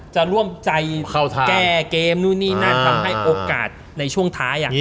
จะร่วมใจแก้เกมนู่นนี่นั่นทำให้โอกาสในช่วงท้าย